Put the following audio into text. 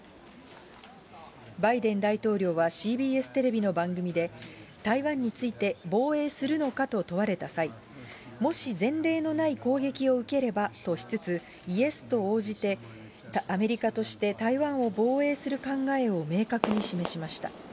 バイデン大統領はＣＢＳテレビの番組で、台湾について防衛するのかと問われた際、もし前例のない攻撃を受ければとしつつ、イエスと応じて、アメリカとして台湾を防衛する考えを明確に示しました。